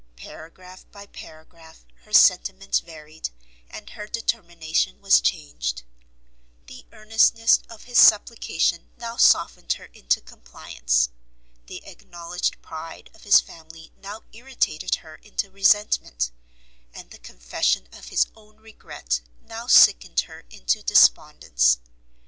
Paragraph by paragraph her sentiments varied, and her determination was changed; the earnestness of his supplication now softened her into compliance, the acknowledged pride of his family now irritated her into resentment, and the confession of his own regret now sickened her into despondence.